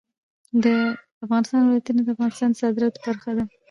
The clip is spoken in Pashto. د افغانستان ولايتونه د افغانستان د صادراتو برخه ده.